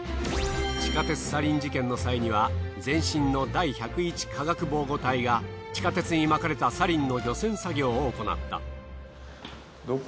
地下鉄サリン事件の際には前身の第１０１化学防護隊が地下鉄にまかれたサリンの除染作業を行った。